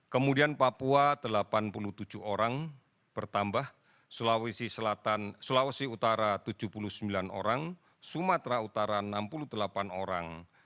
kemudian papua delapan puluh tujuh orang bertambah sulawesi utara tujuh puluh sembilan orang sumatera utara enam puluh delapan orang